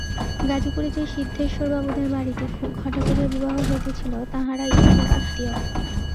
গাজিপুরে যে সিদ্ধেশ্বরবাবুদের বাড়িতে খুব ঘটা করিয়া বিবাহ হইতেছিল, তাঁহারা ইঁহাদের আত্মীয়।